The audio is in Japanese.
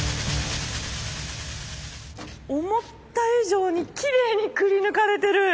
思った以上にきれいにくりぬかれてる。